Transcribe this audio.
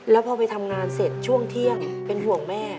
แล้วพอไปทำงานเสร็จช่วงเที่ยงเป็นห่วงแม่